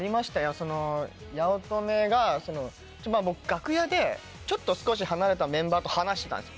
その八乙女が僕楽屋でちょっと少し離れたメンバーと話してたんです。